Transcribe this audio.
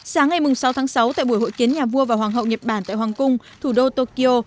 sáng ngày sáu tháng sáu tại buổi hội kiến nhà vua và hoàng hậu nhật bản tại hoàng cung thủ đô tokyo